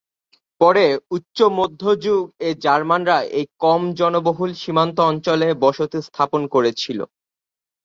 পরে উচ্চ মধ্যযুগ-এ জার্মানরা এই কম জনবহুল সীমান্ত অঞ্চলে বসতি স্থাপন করেছিল।